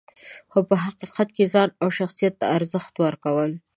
خو په حقیقت کې یې ځان او شخصیت ته ارزښت ورکول .